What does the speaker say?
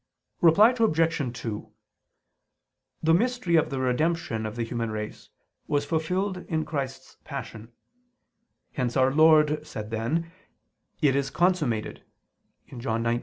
Reply Obj. 2: The mystery of the redemption of the human race was fulfilled in Christ's Passion: hence Our Lord said then: "It is consummated" (John 19:30).